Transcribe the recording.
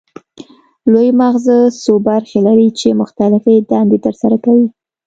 لوی مغزه څو برخې لري چې مختلفې دندې ترسره کوي